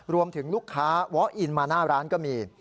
รวมถึงลูกค้าวอคอินมาหน้าร้านก็มี